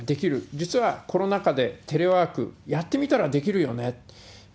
実はコロナ禍でテレワーク、やってみたらできるよねって。